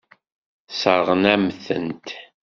Sseṛɣent-am-tent.